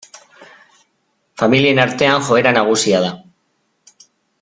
Familien artean joera nagusia da.